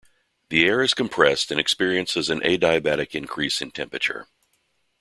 The air is compressed and experiences an adiabatic increase in temperature.